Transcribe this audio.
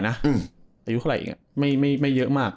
วันนี้ไม่เยอะเท่าไหร่นะอายุเท่าไหร่อีกนะไม่เยอะมาก